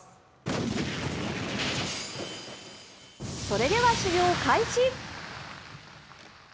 それでは修行開始。